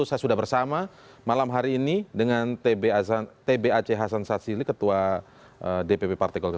saya sudah bersama malam hari ini dengan tb aceh hasan sassili ketua dpp partai kualitas